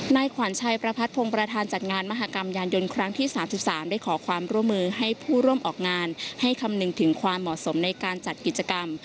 นายขวัญชัยประพัทธพงศ์ประธานจัดงานมหากรรมยานยนต์ครั้งที่๓๓ได้ขอความร่วมมือให้ผู้ร่วมออกงานให้คำนึงถึงความเหมาะสมในการจัดกิจกรรม